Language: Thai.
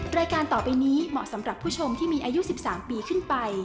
รายการต่อไปนี้เหมาะสำหรับผู้ชมที่มีอายุ๑๓ปีขึ้นไป